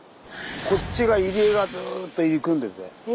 こっちが入り江がずっと入り組んでて。